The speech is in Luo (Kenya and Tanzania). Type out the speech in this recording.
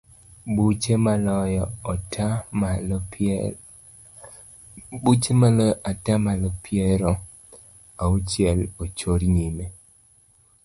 Buche maloyo ata malo piero auchiel ochor nyime.